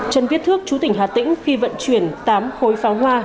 trần viết thước chú tỉnh hà tĩnh khi vận chuyển tám khối pháo hoa